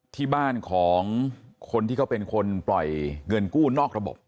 ที่บ้านของคนที่เขาเป็นคนปล่อยเงินกู้นอกระบบ